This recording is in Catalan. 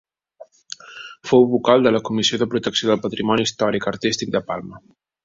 Fou vocal de la Comissió de Protecció del Patrimoni Històric-Artístic de Palma.